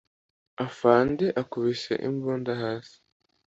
afande akubise imbunda hasi